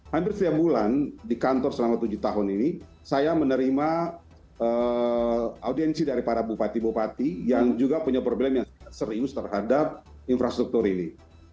hampir setiap bulan di kantor selama tujuh tahun ini saya menerima audiensi dari para bupati bupati yang juga punya problem yang serius terhadap infrastruktur ini